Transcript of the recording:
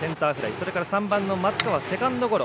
それから３番の松川はセカンドゴロ。